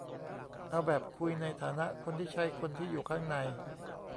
เอาแบบคุยในฐานะ คนที่ใช้ คนที่อยู่ข้างใน